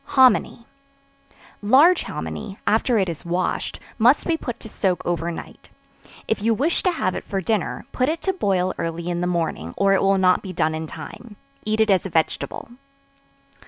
Hominy. Large hominy, after it is washed; must be put to soak over night; if you wish to have it for dinner, put it to boil early in the morning, or it will not be done in time; eat it as a vegetable.